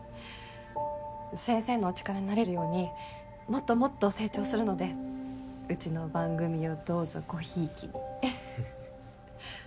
先生のお力になれるようにもっともっと成長するのでうちの番組をどうぞごひいきにウフっ。